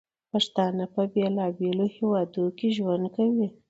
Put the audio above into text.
پښتانه په بیلابیلو هیوادونو کې ژوند کوي.